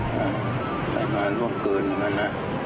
ใจมาร่วงเกินมาอย่างนั้น